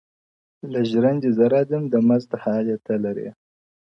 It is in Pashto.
o له ژرندي زه راځم، د مزد حال ئې ته لرې.